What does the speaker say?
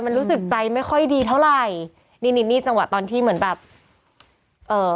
มันรู้สึกใจไม่ค่อยดีเท่าไหร่นี่นี่จังหวะตอนที่เหมือนแบบเอ่อ